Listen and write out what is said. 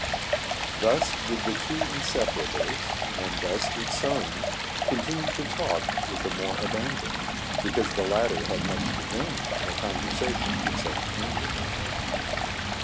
Thus did the two inseparables ; and thus did Soun continue to talk with the more abandouy because the latter had much to gain in a conver sation with such amiable men.